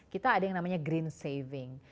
kita ada yang namanya green saving